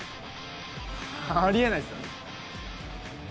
ありえないっすよね。